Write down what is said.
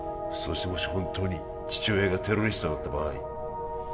そしてもし本当に父親がテロリストだった場合